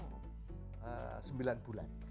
hanya dalam sembilan bulan